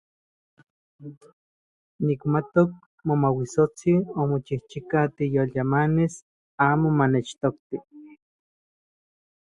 Nikmatok Momauitsotsin omochijchika tikyolyamanis amo manechtokti.